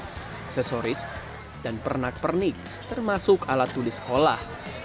aksesoris dan pernak pernik termasuk alat tulis sekolah